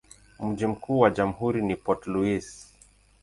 Mji mkuu wa jamhuri ni Port Louis.